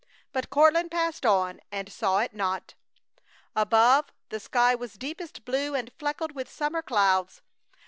But Courtland passed on and saw it not. Above, the sky was deepest blue and flecked with summer clouds.